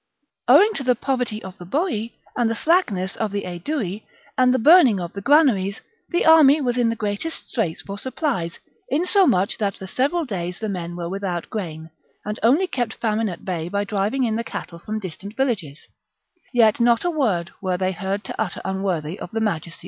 Owing to the poverty of the Boii, the slackness of the Aedui, and the burning of the granaries, the army was in the greatest straits for supplies, insomuch that for several days the men were without grain, and only kept famine at bay by driving in the cattle from distant villages : yet not a word were they heard to utter unworthy of the majesty of ^ Caesar's Conquest of Gaul, p.